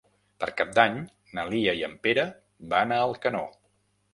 Per Cap d'Any na Lia i en Pere van a Alcanó.